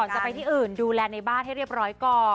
จะไปที่อื่นดูแลในบ้านให้เรียบร้อยก่อน